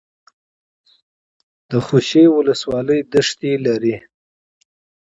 د خوشي ولسوالۍ دښتې لري